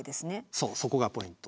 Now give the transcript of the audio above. そうそこがポイント。